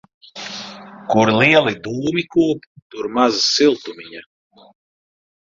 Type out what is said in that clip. Kur lieli dūmi kūp, tur maz siltumiņa.